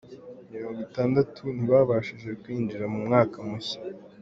mirongwitandatu ntibabashije kwinjira mu mwaka mushya